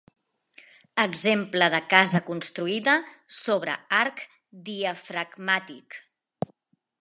Exemple de casa construïda sobre arc diafragmàtic.